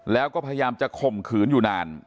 แล้วก็พยายามจะข่มขืนอยู่นาน